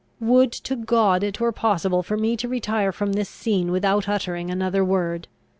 "Would to God it were possible for me to retire from this scene without uttering another word!